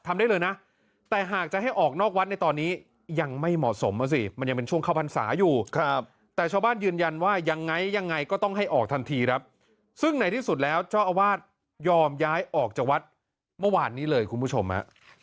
มันยังเป็นช่วงเข้าพันษาอยู่ครับแต่ชาวบ้านยืนยันว่ายังไงยังไงก็ต้องให้ออกทันทีครับซึ่งไหนที่สุดแล้วเจ้าอาวาสยอมย้ายออกจากวัดเมื่อวานนี้เลยคุณผู้ชมนะ